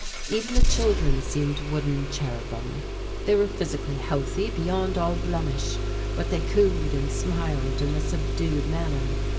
Even the children seemed wooden cherubim. They were physically healthy beyond all blemish, but they cooed and smiled in a subdued manner.